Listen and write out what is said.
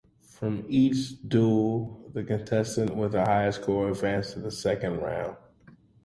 From each duel the contestant with the higher score advanced to the second round.